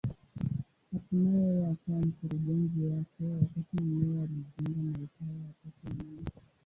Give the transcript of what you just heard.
Hatimaye yeye akawa mkurugenzi wake, wakati mumewe alijiunga na Utawa wa Tatu wa Mt.